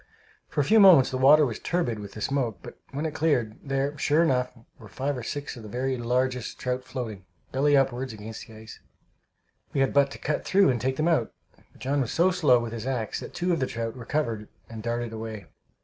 For a few moments the water was turbid with the smoke, but when it cleared, there, sure enough, were five or six of the very largest trout floating, belly upward, against the ice. We had but to cut through and take them out, but John was so slow with his axe that two of the trout recovered and darted away.